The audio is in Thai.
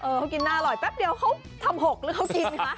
เขากินน่าอร่อยแป๊บเดียวเขาทำ๖หรือเขากินคะ